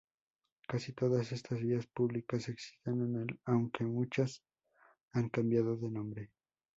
Casi todas estas vías públicas existen en el aunque muchas han cambiado de nombre.